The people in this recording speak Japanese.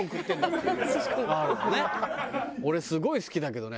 俺すごい好きだけどね。